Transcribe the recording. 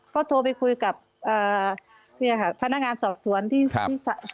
ก็โทรไปคุยกับพนักงานสอบสวนที่